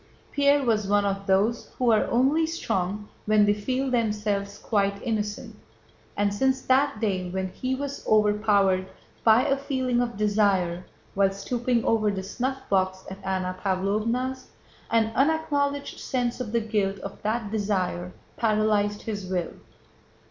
Pierre was one of those who are only strong when they feel themselves quite innocent, and since that day when he was overpowered by a feeling of desire while stooping over the snuffbox at Anna Pávlovna's, an unacknowledged sense of the guilt of that desire paralyzed his will.